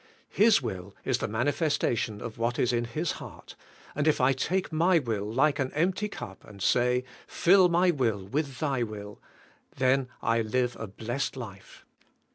His will is the manifestation of what is in His heart, and if I take my will like an empty cup and say, "Fill my will with Thy will," then I live a blessed life.